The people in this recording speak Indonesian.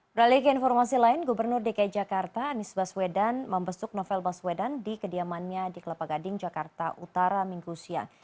beralih ke informasi lain gubernur dki jakarta anies baswedan membesuk novel baswedan di kediamannya di kelapa gading jakarta utara minggu siang